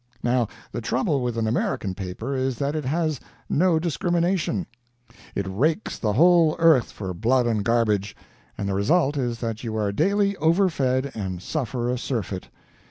Now the trouble with an American paper is that it has no discrimination; it rakes the whole earth for blood and garbage, and the result is that you are daily overfed and suffer a surfeit.